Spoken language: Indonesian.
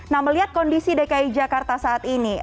nah melihat kondisi dki jakarta saat ini